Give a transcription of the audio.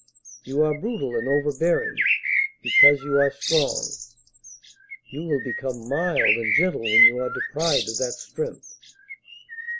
You are brutal and overbearing, because you are strong; you will become mild and gentle when you are deprived of that strength.